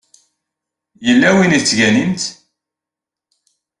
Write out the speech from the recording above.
Yella win i tettganimt?